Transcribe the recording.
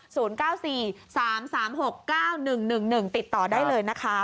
ศูนย์เก้าสี่สามสามหกเก้าหนึ่งหนึ่งหนึ่งติดต่อได้เลยนะคะ